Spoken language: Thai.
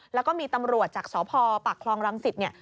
แล้วก็มีตำรวจจากสอบพอปากคลองรังศิษย์